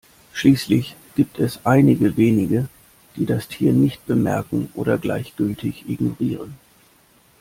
Schließlich gibt es einige wenige, die das Tier nicht bemerken oder gleichgültig ignorieren.